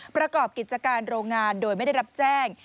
ประกอบกิจการโรงงานโดยไม่ได้รับแจ้ง